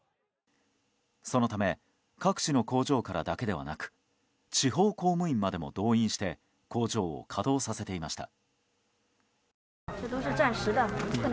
そのため各地の工場からだけではなく地方公務員までも動員して工場を稼働させていました。